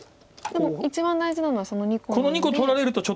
でも一番大事なのはその２個なので。